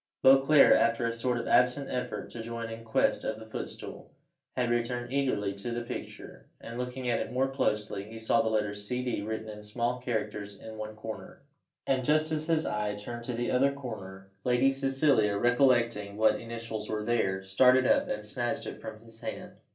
Beauclerc, after a sort of absent effort to join in quest of the footstool, had returned eagerly to the picture, and looking at it more closely, he saw the letters C.D. written in small characters in one corner; and, just as his eye turned to the other corner, Lady Cecilia, recollecting what initials were there, started up and snatched it from his hand.